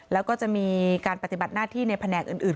แล้วก็จะมีการปฏิบัติหน้าที่ในแผนกอื่น